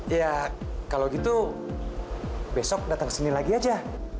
ya kalau gitu besok datang kesini lagi aja